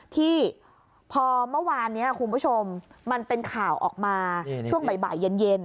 ที่พอเมื่อวานนี้คุณผู้ชมมันเป็นข่าวออกมาช่วงบ่ายเย็น